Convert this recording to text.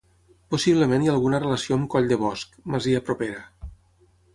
Possiblement hi ha alguna relació amb coll de Bosch, masia propera.